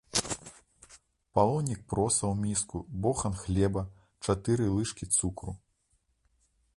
Палонік проса ў міску, бохан хлеба, чатыры лыжкі цукру.